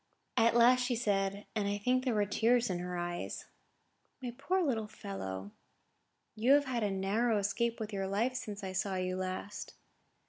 At last she said, and I think the tears were in her eyes: "My poor little fellow, you have had a narrow escape with your life since I saw you last."